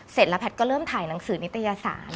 เสร็จแล้วแพทย์ก็เริ่มถ่ายหนังสือนิตยสาร